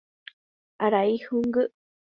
Arai hũngy